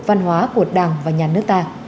văn hóa của đảng và nhà nước ta